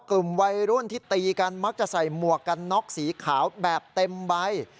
กลุ่มวัยรุ่นที่ตีกันมักจะใส่หมวกกันน็อกสีขาวแบบเต็มใบ